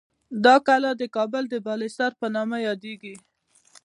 دا کلا د کابل د بالاحصار په نامه یادیږي.